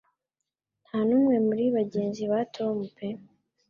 Nta n'umwe muri bagenzi ba Tom pe